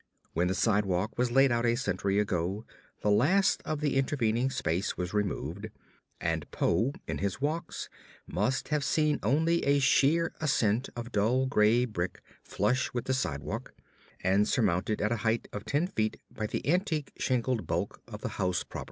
When the sidewalk was laid out a century ago the last of the intervening space was removed; and Poe in his walks must have seen only a sheer ascent of dull gray brick flush with the sidewalk and surmounted at a height of ten feet by the antique shingled bulk of the house proper.